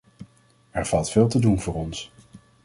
Er valt veel te doen voor ons.